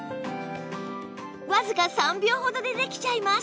わずか３秒ほどでできちゃいます